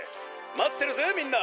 まってるぜみんな！」。